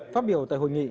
phát biểu tại hội nghị